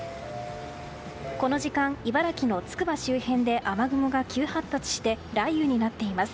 この時間、茨城のつくば周辺で雨雲が急発達して雷雨になっています。